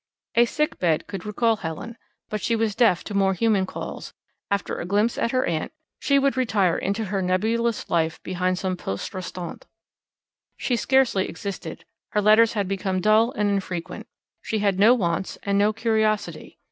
A sick bed could recall Helen, but she was deaf to more human calls; after a glimpse at her aunt, she would retire into her nebulous life behind some poste restante. She scarcely existed; her letters had become dull and infrequent; she had no wants and no curiosity.